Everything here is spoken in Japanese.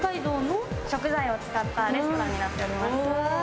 食材を使ったレストランになっております。